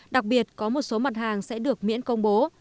đặc biệt có một số mặt hàng sẽ được miễn công bố